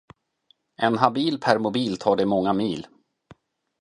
En habil permobil tar dig många mil.